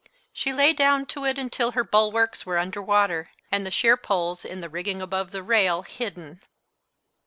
She lay down to it until her bulwarks were under water, and the sheer poles in the rigging above the rail hidden.